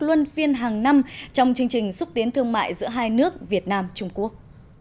luân phiên hàng năm trong chương trình xúc tiến thương mại giữa hai nước việt nam trung quốc